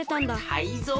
タイゾウ？